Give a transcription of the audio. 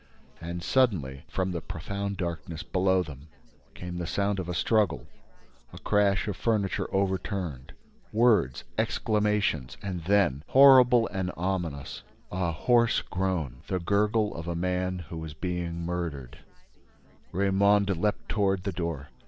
And, suddenly, from the profound darkness below them, came the sound of a struggle, a crash of furniture overturned, words, exclamations and then, horrible and ominous, a hoarse groan, the gurgle of a man who is being murdered— Raymonde leapt toward the door.